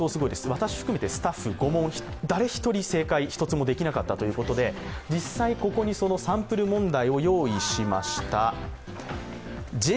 私含めてスタッフ５問、誰一人、正解できなかったということで実際、ここにサンプル問題を用意しました。